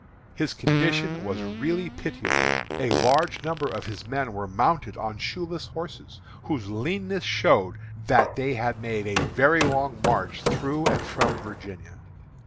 His condition was really pitiable. A large number of his men were mounted on shoeless horses, whose leanness showed that they had made many a long march through and from Virginia.